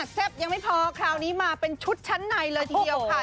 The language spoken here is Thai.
ยังไม่พอคราวนี้มาเป็นชุดชั้นในเลยทีเดียวค่ะ